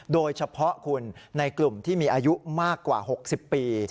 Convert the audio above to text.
โดยเฉพาะคุณในกลุ่มที่มีอายุมากกว่า๖๐ปี